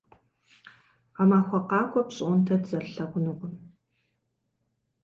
Гъэмахуэ къакӏуэ пщӏондэ дызэрылъэгъунукъым.